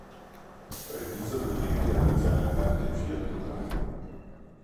Bei dieser belegte er mit seinem Land den vierten Rang.